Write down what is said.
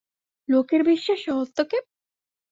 লোকের বিশ্বাসে হস্তক্ষেপ!